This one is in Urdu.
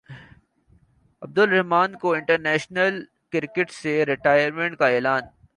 عبدالرحمن کا انٹرنیشنل کرکٹ سے ریٹائرمنٹ کا اعلان